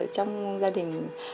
trong gia đình